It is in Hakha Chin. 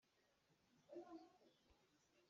Meifar kha vang tuah.